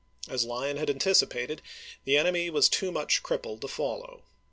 As Lyon had anticipated, the enemy was too much crippled to follow.